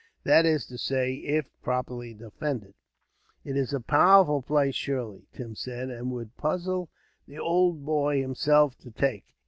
That is to say, if properly defended." "It's a powerful place, surely," Tim said; "and would puzzle the ould boy himself to take.